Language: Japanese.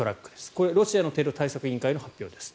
これはロシアのテロ対策委員会の発表です。